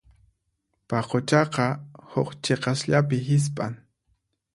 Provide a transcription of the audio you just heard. Paquchaqa huk chiqasllapi hisp'an.